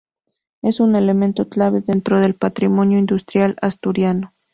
Es un elemento clave dentro del patrimonio industrial asturiano.